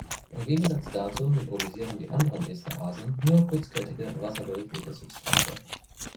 Im Gegensatz dazu hydrolysieren die anderen Esterasen nur kurzkettige, wasserlösliche Substrate.